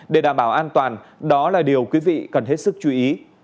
để đảm bảo an toàn đó là điều quý vị cần hết sức chú ý